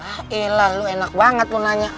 gak elah lu enak banget lu nanya